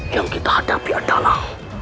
yang kita hadapi adalah